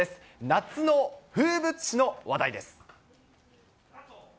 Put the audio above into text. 夏の風物詩の話題です。